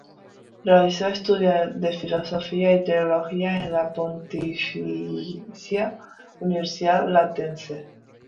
Realizó estudios de filosofía y teología en la Pontificia Universidad Lateranense.